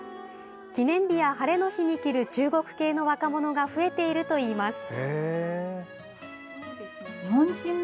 記念日やハレの日に着る中国系の若者が増えているといいます。